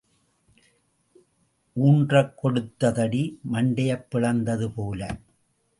ஊன்றக் கொடுத்த தடி மண்டையைப் பிளந்தது போல.